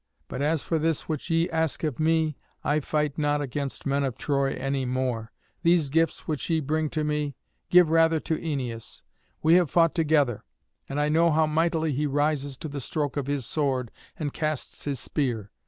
But as for this which ye ask of me, I fight not against men of Troy any more. These gifts which ye bring to me, give rather to Æneas. We have fought together, and I know how mightily he rises to the stroke of his sword and casts his spear.